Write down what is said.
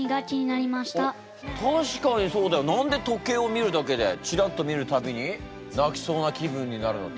何で時計を見るだけで「チラッと見るたびに泣きそうな気分になるの？」。